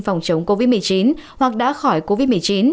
phòng chống covid một mươi chín hoặc đã khỏi covid một mươi chín